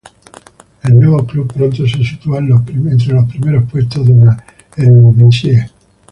El nuevo club pronto se situó entre los primeros puestos de la Eredivisie.